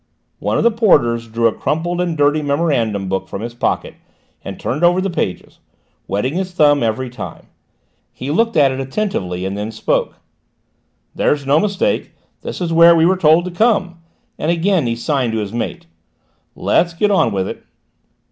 One of the porters drew a crumpled and dirty memorandum book from his pocket and turned over the pages, wetting his thumb every time. He looked at it attentively and then spoke. "There's no mistake: this is where we were told to come," and again he signed to his mate. "Let's get on with it!"